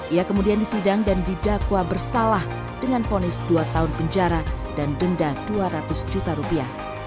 ia kemudian disidang dan didakwa bersalah dengan fonis dua tahun penjara dan denda dua ratus juta rupiah